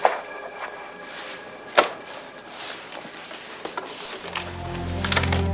jangan bakal balik agar takut